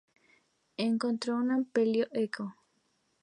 Encontró un amplio eco.